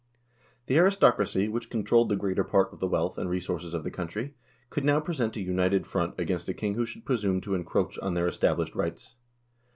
The aristocracy, which controlled the greater part of the wealth and resources of the country, could now present a united front against a king who should presume to encroach on their established rights.